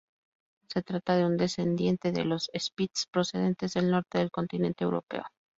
Se trata de un descendiente de los Spitz procedentes del norte del continente Europeo.